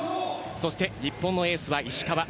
そして日本のエースは石川。